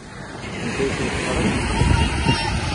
Anda ay tent-teffreḍ?